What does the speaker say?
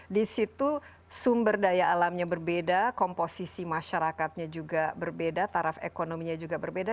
di situ sumber daya alamnya berbeda komposisi masyarakatnya juga berbeda taraf ekonominya juga berbeda